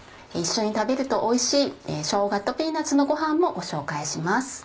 一緒に食べるとおいしい「しょうがとピーナッツのごはん」もご紹介します。